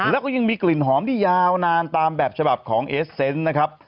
แล้วก็ยังมีกลิ่นหอมที่ยาวนานตามแบบฉบับของเอสเซนต์นะครับ